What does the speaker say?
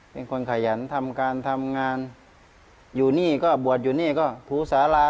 เป็นคนขยันทำการทำงานอยู่นี่ก็บวชอยู่นี่ก็ถูสารา